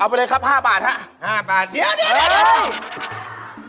เอาไปเลยครับ๕บาทค่ะ๕บาทเดี๋ยวเห้ย